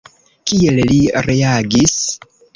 Kiel li reagis?